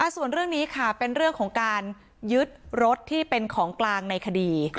ส่วนเรื่องนี้ค่ะเป็นเรื่องของการยึดรถที่เป็นของกลางในคดี